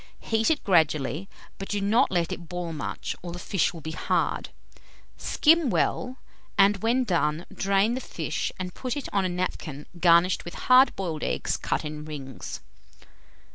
Heat it gradually, but do not let it boil much, or the fish will be hard. Skim well, and when done, drain the fish and put it on a napkin garnished with hard boiled eggs cut in rings.